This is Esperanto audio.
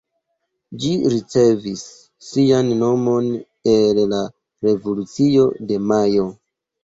Ĝi ricevis sian nomon el la Revolucio de Majo.